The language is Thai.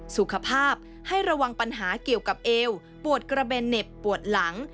สุขภาพให้ระวังปัญหาเกี่ยวกับเอวปวดกระเบนเหน็บปวดหลัง